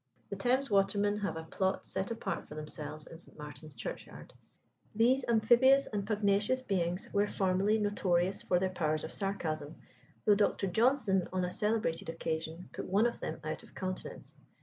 The Thames watermen have a plot set apart for themselves in St. Martin's Churchyard. These amphibious and pugnacious beings were formerly notorious for their powers of sarcasm, though Dr. Johnson on a celebrated occasion put one of them out of countenance.